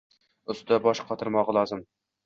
ustida bosh qotirmog‘i lozim.